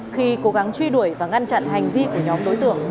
khi cố gắng truy đuổi và ngăn chặn hành vi của nhóm đối tượng